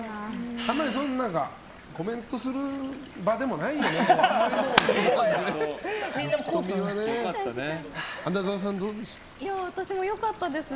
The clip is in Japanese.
あんまりコメントする場でもないよね。